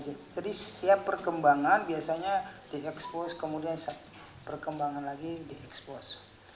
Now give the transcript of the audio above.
jadi setiap perkembangan biasanya di expose kemudian perkembangan lagi di expose